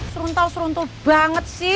seruntau seruntul banget sih